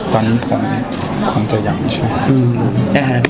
ตอนนี้คงจะยังไม่ใช่